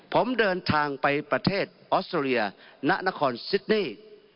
ผมเดินทางไปประเทศออสเตรเลียณนครซิดนี่